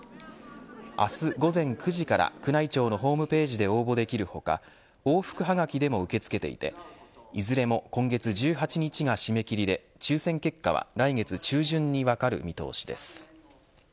明日午前９時から宮内庁のホームページで応募できる他往復はがきでも受け付けていていずれも今月１８日が締め切りで抽選結果は来月中旬に分かる見通しです。